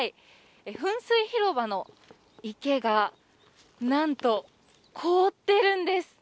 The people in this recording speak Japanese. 噴水広場の池がなんと凍っているんです。